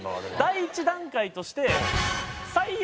第一段階として。